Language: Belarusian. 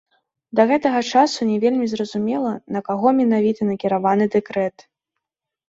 Да гэтага часу не вельмі зразумела, на каго менавіта накіраваны дэкрэт.